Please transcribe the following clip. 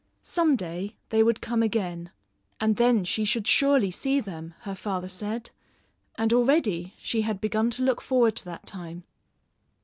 Some day they would come again and then she should surely see them, her father said; and already she had begun to look forward to that time.